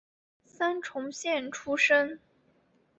三重县出身。